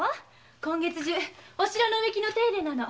今月中お城の植木の手入れなの。